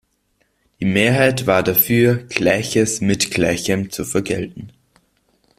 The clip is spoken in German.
Die Mehrheit war dafür, Gleiches mit Gleichem zu vergelten.